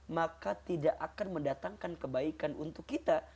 maka tidak akan mendatangkan kebaikan untuk kita